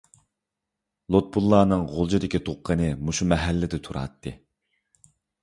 لۇتپۇللانىڭ غۇلجىدىكى تۇغقىنى مۇشۇ مەھەللىدە تۇراتتى.